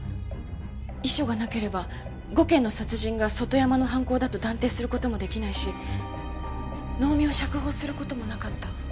遺書がなければ５件の殺人が外山の犯行だと断定する事もできないし能見を釈放する事もなかった。